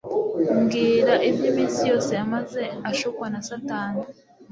mbwira iby'iminsi yose yamaze ashukwa na satani